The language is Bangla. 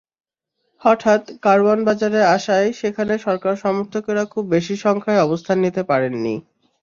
হঠাৎ কারওয়ান বাজারে আসায় সেখানে সরকার-সমর্থকেরা খুব বেশি সংখ্যায় অবস্থান নিতে পারেননি।